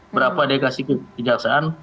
berapa dekasi kejaksaan